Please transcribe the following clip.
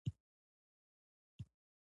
روغ غاښونه د ښه ژوند کولو لپاره اړین دي.